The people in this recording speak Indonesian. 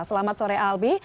selamat sore albi